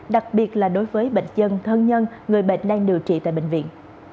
đặc biệt là đối với bệnh chân thân nhân người bệnh đang điều trị tại bệnh viện